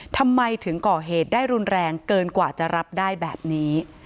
ทำไมถึงก่อเหตุได้รุนแรงเกินกว่าจะรับได้แบบนี้